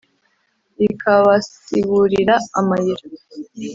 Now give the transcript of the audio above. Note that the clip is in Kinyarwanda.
Rikabasiburira amayira ?